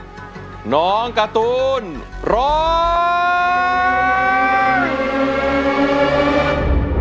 คุณยายแดงคะทำไมต้องซื้อลำโพงและเครื่องเสียง